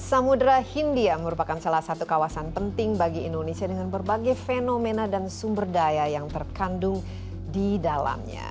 samudera hindia merupakan salah satu kawasan penting bagi indonesia dengan berbagai fenomena dan sumber daya yang terkandung di dalamnya